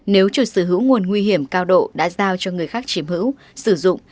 nếu chủ sở hữu nguồn nguy hiểm cao độ đã giao cho người khác chiếm hữu sử dụng